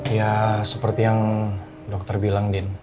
ya seperti yang dokter bilang din